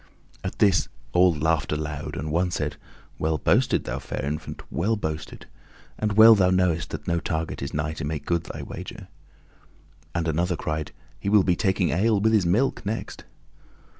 At this all laughed aloud, and one said, "Well boasted, thou fair infant, well boasted! And well thou knowest that no target is nigh to make good thy wager." And another cried, "He will be taking ale with his milk next."